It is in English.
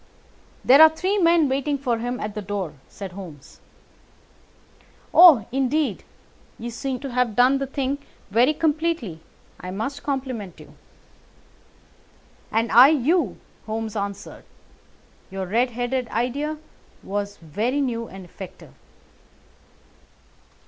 "There are three men waiting for him at the door," said Holmes. "Oh, indeed! You seem to have done the thing very completely. I must compliment you." "And I you," Holmes answered. "Your red headed idea was very new and effective."